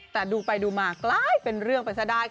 แต่ดูไปดูมากลายเป็นเรื่องไปซะได้